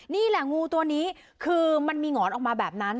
นี่แหละงูตัวนี้คือมันมีหงอนออกมาแบบนั้น